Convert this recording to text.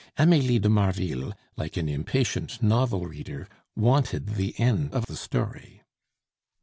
Amelie de Marville, like an impatient novel reader, wanted the end of the story.